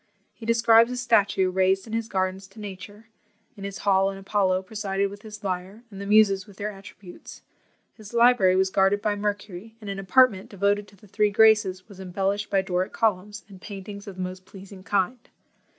He describes a statue raised in his gardens to NATURE; in his hall an Apollo presided with his lyre, and the Muses with their attributes; his library was guarded by Mercury, and an apartment devoted to the three Graces was embellished by Doric columns, and paintings of the most pleasing kind.